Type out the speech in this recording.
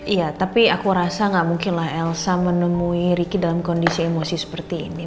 iya tapi aku rasa gak mungkinlah elsa menemui riki dalam kondisi emosi seperti ini